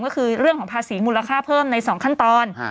ก็คือเรื่องของภาษีมูลค่าเพิ่มใน๒ขั้นตอน